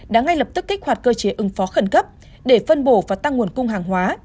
đã ngay lập tức kích hoạt cơ chế ứng phó khẩn cấp để phân bổ và tăng nguồn cung hàng hóa